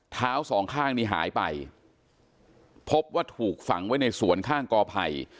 สองข้างนี้หายไปพบว่าถูกฝังไว้ในสวนข้างกอไผ่